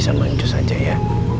sama ancus aja ya